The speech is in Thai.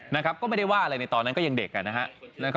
นะครับก็ไม่ได้ว่าอะไรในตอนนั้นก็ยังเด็กนะครับ